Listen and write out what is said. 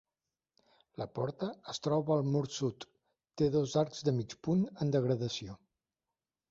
La porta es troba al mur sud, té dos arcs de mig punt en degradació.